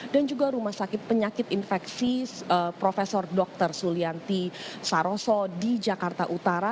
dan juga rumah sakit penyakit infeksi prof dr sulianti saroso di jakarta utara